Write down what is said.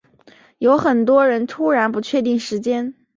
有很多人突然不确定时间